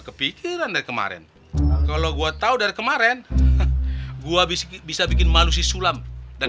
kepikiran dari kemarin kalau gua tahu dari kemarin gua bisa bikin manusia sulam dan